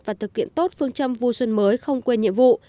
và thực hiện tốt phương châm vui xuân mới không quên nhiệm vụ